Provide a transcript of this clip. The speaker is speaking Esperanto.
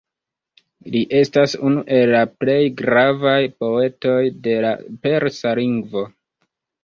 Li estas unu el la plej gravaj poetoj de la persa lingvo.